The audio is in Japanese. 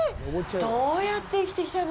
どうやって生きてきたの！？